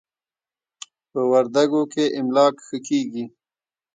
په وردکو کې املاک ښه کېږي.